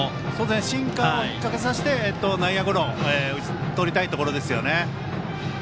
シンカーを引っ掛けさせて内野ゴロに打ち取りたいところですよね。